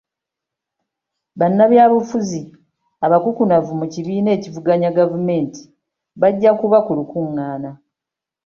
Bannabyabufuzi abakukunavu mu kibiina ekivuganya gavumenti bajja kuba ku lukungaana.